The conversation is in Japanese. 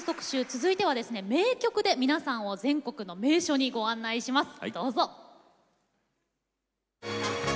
続いては名曲で皆様を全国の名所へご案内します。